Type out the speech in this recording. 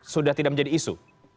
sudah tidak menjadi isu